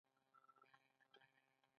ایا سترګې یې سرې نه دي؟